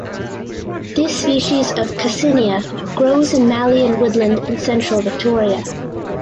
This species of "Cassinia" grows in mallee and woodland in central Victoria.